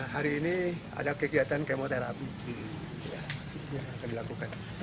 hari ini ada kegiatan kemoterapi yang akan dilakukan